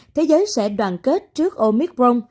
thế giới sẽ đoàn kết trước omicron